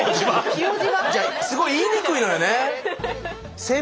すごい言いにくいのよね。